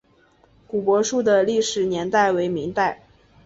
古柏树的历史年代为明代。